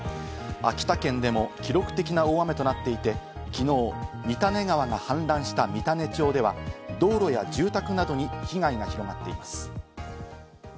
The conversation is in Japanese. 秋田県でも記録的な大雨となっていて、昨日、三種川が氾濫した三種町では道路や住宅などに被害が広がっています。